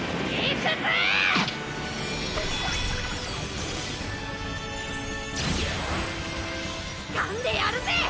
つかんでやるぜ！